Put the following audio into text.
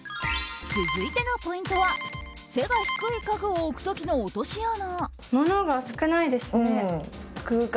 続いてのポイントは背が低い家具を置く時の落とし穴。